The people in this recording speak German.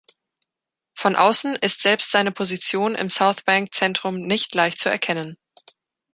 Von außen ist selbst seine Position im Southbank-Zentrum nicht leicht zu erkennen.